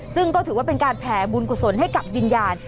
ซึ่งก็ถือว่าเป็นการแผ่บุญกุศลให้กับวิญญาณ